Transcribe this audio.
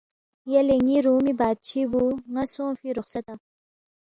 یلے ن٘ی روُمی بادشی بُو ن٘ا سونگفی رخصتا؟